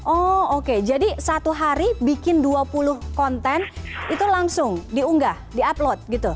oh oke jadi satu hari bikin dua puluh konten itu langsung diunggah di upload gitu